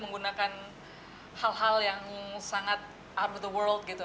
menggunakan hal hal yang sangat up the world gitu